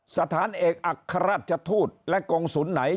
สถานเอกอัครราชทูตและกงศูนย์ไหน